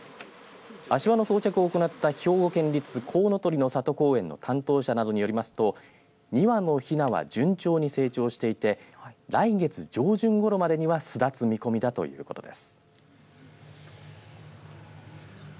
足環の装着を行った兵庫県立コウノトリの郷公園の担当者などによりますと２羽のひなは順調に成長していて来月上旬ごろまでには巣立つ見込みだということです。